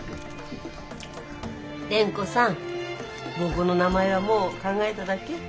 蓮子さんボコの名前はもう考えただけ？